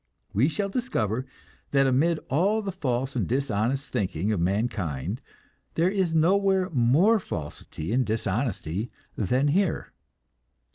We shall discover that amid all the false and dishonest thinking of mankind, there is nowhere more falsity and dishonesty than here.